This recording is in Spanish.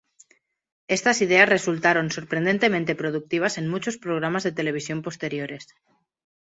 Estas ideas resultaron sorprendentemente productivas en muchos programas de televisión posteriores.